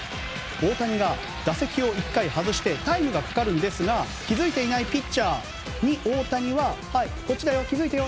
大谷が打席を１回外してタイムがかかるんですが気づいていないピッチャーに大谷はこっちだよ、気づいてよ